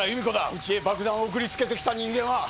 うちへ爆弾を送りつけてきた人間は。